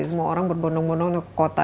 semua orang berbonong bondong ke kota